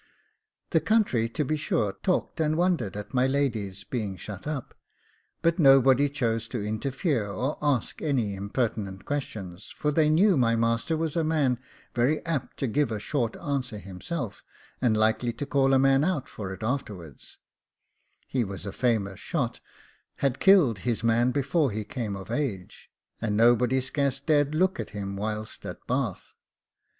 The country, to be sure, talked and wondered at my lady's being shut up, but nobody chose to interfere or ask any impertinent questions, for they knew my master was a man very apt to give a short answer himself, and likely to call a man out for it afterwards: he was a famous shot, had killed his man before he came of age, and nobody scarce dared look at him whilst at Bath.